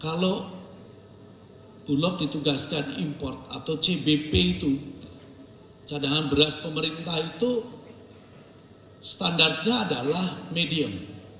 kalau bulog ditugaskan import atau cbp itu cadangan beras pemerintah itu standarnya adalah medium